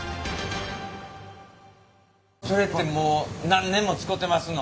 それってもう何年も使てますの？